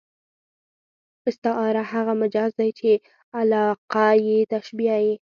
استعاره هغه مجاز دئ، چي علاقه ئې تشبېه يي.